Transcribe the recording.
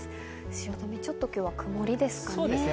汐留、ちょっと今日は曇りですかね。